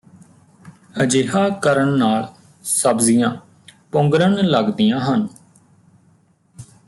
ਅਜਿਹਾ ਕਰਨ ਨਾਲ ਸਬਜ਼ੀਆਂ ਪੁੰਗਰਨ ਲੱਗਦੀਆਂ ਹਨ